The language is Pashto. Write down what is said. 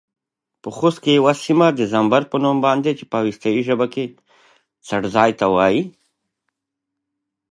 دوږمو نرم ښځینه لا سونه